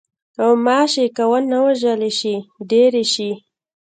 غوماشې که ونه وژلې شي، ډېرې شي.